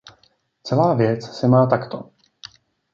Celá věc se má takto.